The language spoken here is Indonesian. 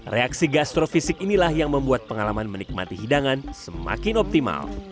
reaksi gastrofisik inilah yang membuat pengalaman menikmati hidangan semakin optimal